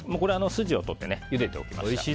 筋を取ってゆでておきました。